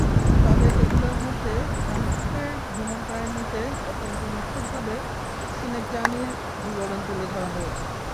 তবে এগুলোর মধ্যে কাম্পফের ভ্রমণকাহিনিতে অত্যন্ত নিখুঁতভাবে সিনেযানির বিবরণ তুলে ধরা হয়েছে।